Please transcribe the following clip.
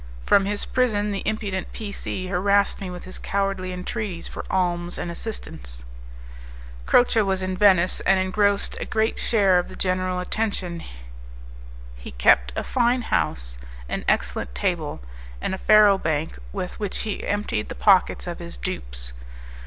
From his prison the impudent P C harassed me with his cowardly entreaties for alms and assistance. Croce was in Venice, and engrossed a great share of the general attention. He kept a fine house, an excellent table, and a faro bank with which he emptied the pockets of his dupes.